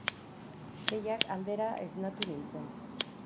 Seiak aldera esnatu nintzen.